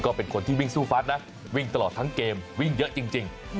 เป็นคนที่วิ่งสู้ฟัดนะวิ่งตลอดทั้งเกมวิ่งเยอะจริง